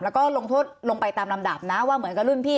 แล้วก็ลงโทษลงไปตามลำดับนะว่าเหมือนกับรุ่นพี่